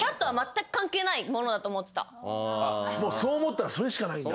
そう思ったらそれしかないんだ。